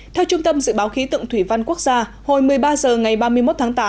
theo trung tâm dự báo khí tượng thủy văn quốc gia hồi một mươi ba h ngày ba mươi một tháng tám